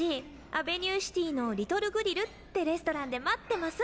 アベニューシティの“リトルグリル”ってレストランで待ってます」